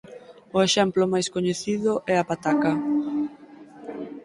O exemplo mais coñecido é a pataca.